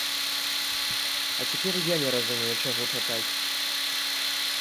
А цяпер я не разумею, чаго чакаць!